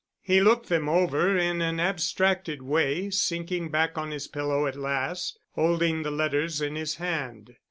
He looked them over in an abstracted way, sinking back on his pillow at last, holding the letters in his hand.